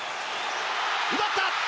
奪った！